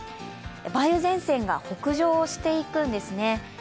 梅雨前線が北上していくんですね。